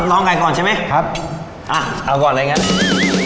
ร้องไก่ก่อนใช่ไหมอ่ะเอาก่อนเลยนะครับครับ